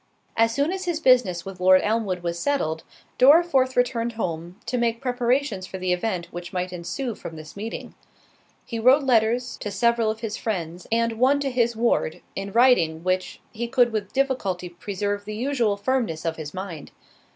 As soon as his business with Lord Elmwood was settled, Dorriforth returned home, to make preparations for the event which might ensue from this meeting. He wrote letters to several of his friends, and one to his ward, in writing which, he could with difficulty preserve the usual firmness of his mind.